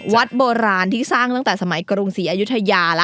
วัดโบราณที่สร้างตั้งแต่สมัยกรุงศรีอายุทยาแล้ว